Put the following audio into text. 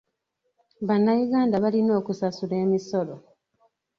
Bannayuganda balina okusasula emisolo.